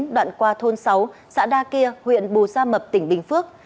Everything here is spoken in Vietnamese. đoạn qua thôn sáu xã đa kia huyện bù gia mập tỉnh bình phước